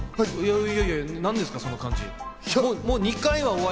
いやいや、なんですかその感じ。